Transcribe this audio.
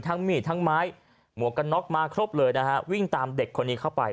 มีดทั้งไม้หมวกกันน็อกมาครบเลยนะฮะวิ่งตามเด็กคนนี้เข้าไป